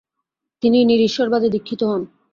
তিনি নিরীশ্বরবাদে দীক্ষিত হন।